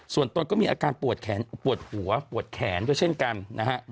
ส่วนตนก็มีอาการปวดหัวปวดแขนเช่นกัน